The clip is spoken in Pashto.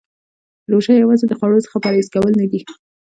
روژه یوازې د خوړو څخه پرهیز کول نه دی .